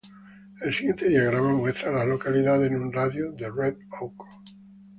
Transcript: El siguiente diagrama muestra a las localidades en un radio de de Red Oak.